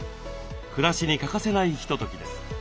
暮らしに欠かせないひとときです。